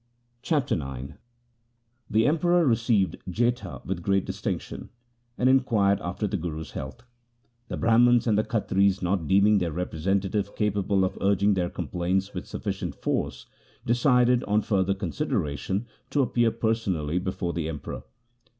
Chapter IX The Emperor received Jetha with great distinction, and inquired after the Guru's health. The Brahmans and the Khatris, not deeming their representative capable of urging their complaints with sufficient force, decided, on further consideration, to appear personally before the Emperor.